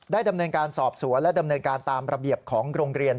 ดำเนินการสอบสวนและดำเนินการตามระเบียบของโรงเรียน